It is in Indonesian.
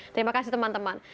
terima kasih teman teman